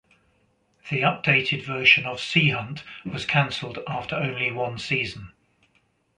The updated version of "Sea Hunt" was canceled after only one season.